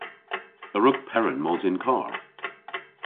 A wrug Peran mos yn karr?